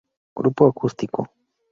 Grupo acústico.